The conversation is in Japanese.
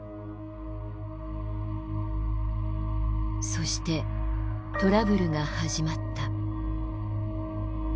そしてトラブルが始まった。